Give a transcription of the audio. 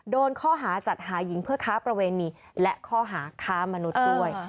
โดนข้อหาจัดหาหญิงเพื่อค้าประเวณีและข้อหาค้ามนุษย์ด้วย